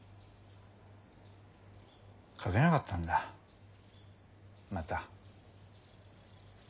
書けなかったんだまた。